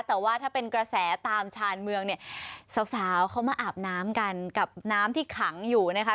แต่ว่าถ้าเป็นกระแสตามชานเมืองเนี่ยสาวเขามาอาบน้ำกันกับน้ำที่ขังอยู่นะคะ